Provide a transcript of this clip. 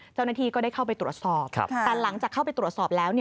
เจ้าหน้าที่ก็ได้เข้าไปตรวจสอบแต่หลังจากเข้าไปตรวจสอบแล้ว